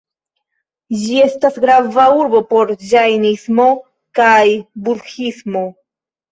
Ĝi estas grava urbo por ĝajnismo kaj budhismo.